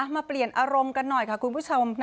มาเปลี่ยนอารมณ์กันหน่อยค่ะคุณผู้ชม